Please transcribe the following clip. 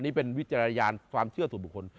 อันนี้เป็นวิจารณ์ความเชื่อสู่บุคคล